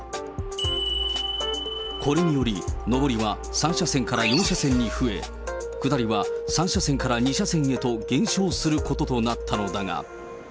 これにより、上りは３車線から４車線に増え、下りは３車線から２車線へと減少することとなったのだが。